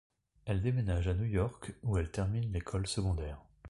Elle déménage à New York où elle termine l'école secondaire.